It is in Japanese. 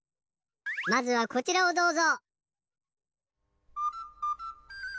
まずはこちらをどうぞ。